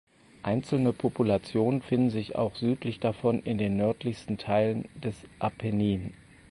Einzelne Populationen finden sich auch südlich davon in den nördlichsten Teilen des Apennin.